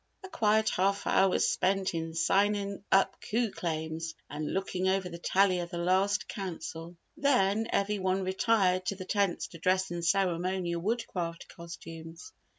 A quiet half hour was spent in signing up coup claims and looking over the Tally of the last Council. Then, every one retired to the tents to dress in ceremonial Woodcraft costumes.